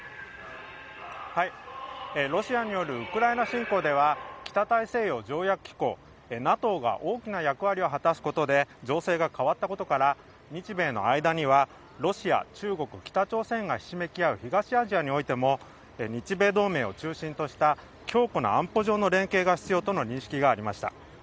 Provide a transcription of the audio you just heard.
ロシアによるウクライナ侵攻では北大西洋条約機構・ＮＡＴＯが大きな役割を果たすことで情勢が変わったことから日米の間にはロシア、中国、北朝鮮がひしめき合う東アジアにおいても日米同盟を中心とした強固な安保上の連携が必要との認識がありました。